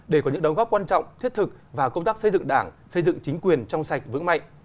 để có những đóng góp quan trọng thiết thực và công tác xây dựng đảng xây dựng chính quyền trong sạch vững mạnh